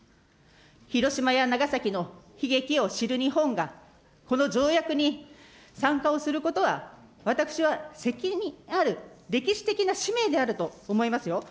広島や長崎の悲劇を知る日本が、この条約に参加をすることは、私は責任ある歴史的な使命であると思いますよ。